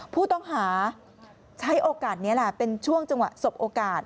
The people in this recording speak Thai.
ผู้ต้องหาใช้โอกาสนี้แหละเป็นช่วงจังหวะสบโอกาส